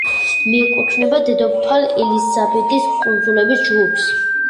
მეკუთვნება დედოფალ ელისაბედის კუნძულების ჯგუფს.